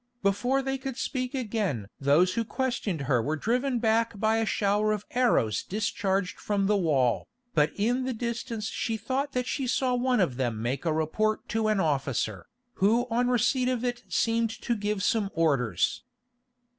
Before they could speak again those who questioned her were driven back by a shower of arrows discharged from the wall, but in the distance she thought that she saw one of them make report to an officer, who on receipt of it seemed to give some orders.